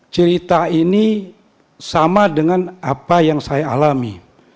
cerita ini sama dengan apa yang saya alami